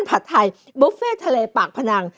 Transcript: ผัดไทยบุฟเฟ่ทะเลปากพนัง